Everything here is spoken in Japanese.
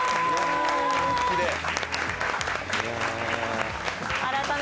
きれい。